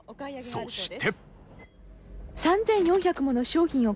そして。